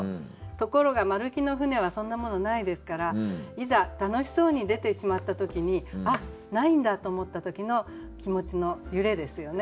ところが丸木の舟はそんなものないですからいざ楽しそうに出てしまった時に「あっないんだ」と思った時の気持ちの揺れですよね。